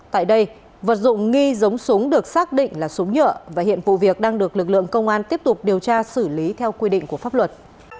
tại đây vật dụng nghi giống súng được xác định là súng nhựa và hiện vụ việc đang được lực lượng công an tiếp tục điều tra xử lý theo quy định của pháp luật